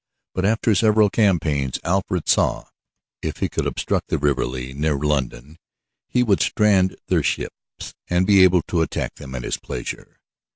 But after several campaigns Alfred saw if he could obstruct the river Lea near London he would strand their ships and be able to attack them at his pleasure.